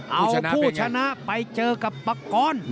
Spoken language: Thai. เอาผู้ชนะไปเจอกับปากกรณ์